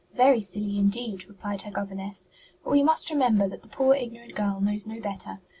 "Very silly indeed," replied her governess; "but we must remember that the poor ignorant girl knows no better.